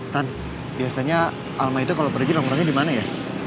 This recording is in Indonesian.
tan biasanya alma itu kalo pergi lontranya dimana ya